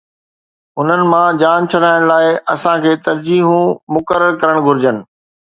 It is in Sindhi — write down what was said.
انهن مان جان ڇڏائڻ لاءِ اسان کي ترجيحون مقرر ڪرڻ گهرجن.